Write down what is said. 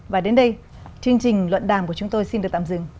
và đến đây chương trình luận đàm của chúng tôi xin được tạm dừng